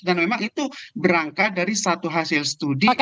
memang itu berangkat dari satu hasil studi